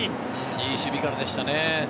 いい守備からでしたね。